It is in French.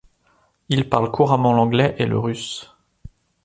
Il parle couramment l'anglais et le russe.